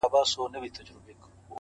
څنگه دي وستايمه ـ